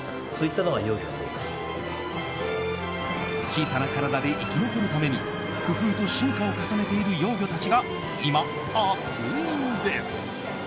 小さな体で生き残るために工夫と進化を重ねている幼魚たちが今、熱いんです。